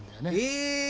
え！